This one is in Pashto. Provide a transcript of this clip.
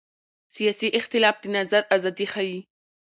سیاسي اختلاف د نظر ازادي ښيي